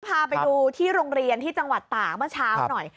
พาไปดูที่โรงเรียนที่จังหวัดตากเมื่อเช้าหน่อย